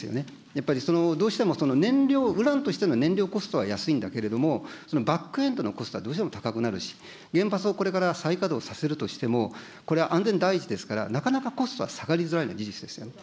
やっぱりどうしても燃料、ウランとしての燃料コストは安いんだけれども、そのバックエンドのコストはどうしても高くなるし、原発をこれから再稼働させるとしても、これ、安全第一ですから、なかなかコストは下がりづらいのは事実ですよね。